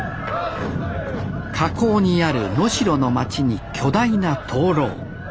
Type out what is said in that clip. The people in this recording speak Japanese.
河口にある能代の町に巨大な灯籠。